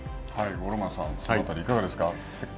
五郎丸さん、その辺りいかがですか？